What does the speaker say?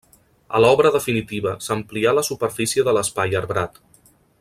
A l'obra definitiva s'amplià la superfície de l'espai arbrat.